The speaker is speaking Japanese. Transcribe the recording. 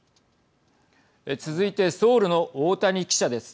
続いてソウルの大谷記者です。